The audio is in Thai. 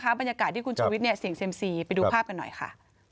เป็นภาพบรรยากาศที่คุณชุวิทย์เนี่ยเสียงเซ็มซีไปดูภาพกันหน่อยค่ะ